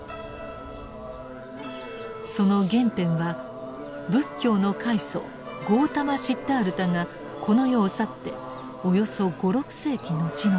その原点は仏教の開祖ゴータマ・シッダールタがこの世を去っておよそ５６世紀後のこと。